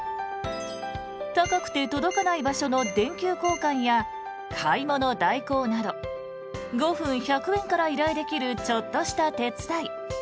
高くて届かない場所の電球交換や買い物代行など５分１００円から依頼できるちょっとした手伝い。